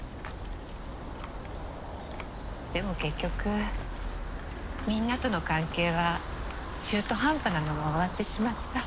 でも結局みんなとの関係は中途半端なまま終わってしまった。